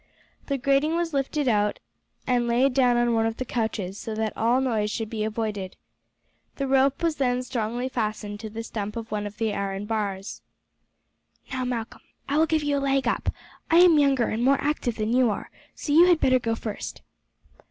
The grating was lifted out and laid down on one of the couches so that all noise should be avoided. The rope was then strongly fastened to the stump of one of the iron bars. "Now, Malcolm, I will give you a leg up; I am younger and more active than you are, so you had better go first."